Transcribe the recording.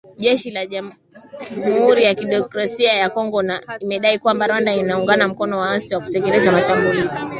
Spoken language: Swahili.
Jeshi la Jamhuri ya Kidemokrasia ya Kongo limedai kwamba, Rwanda inawaunga mkono waasi hao kutekeleza mashambulizi